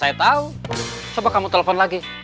tak datang into my room